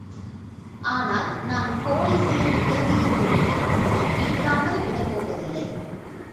ஆனால், நான் போலீசின் உதவியைக்கொண்டு அவனைப் பிடிக்காமல் விடப்போவதில்லை.